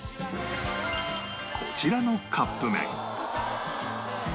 こちらのカップ麺